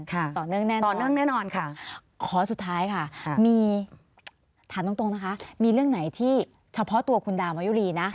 ค่ะต่อเนื่องแน่นอนขอสุดท้ายค่ะมีถามตรงนะคะมีเรื่องไหนที่เฉพาะตัวคุณดามอยุรีนะ